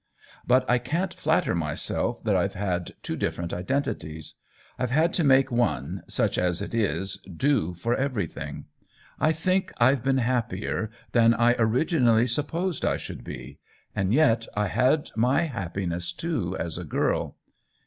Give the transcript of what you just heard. But I can't flatter myself that I've had two different identities. I've had to make one, such as it is, do for everything. I think I've been happier than I originally supposed I should be — and yet I had my happiness, too, as a girl.